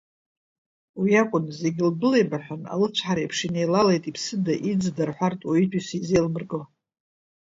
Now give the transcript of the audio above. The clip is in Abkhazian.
Уиакәын, зегьы лдәылеибаҳәан, алыцәҳа реиԥш инеилалеит иԥсыда-иӡда рҳәартә, уаҩытәыҩса изеилмырго.